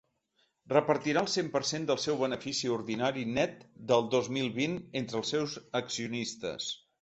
Repartirà el cent per cent del seu benefici ordinari net del dos mil vint entre els seus accionistes.